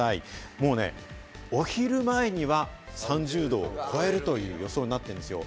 もうね、お昼前には３０度を超えるという予想になっているんですよ。